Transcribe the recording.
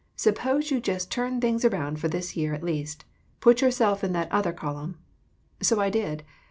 Suppose you just turn things around for this year, at least. Put yourself in that other col umn." So I did.